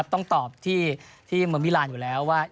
ต้องตอบที่เมืองมิลานอยู่แล้วว่า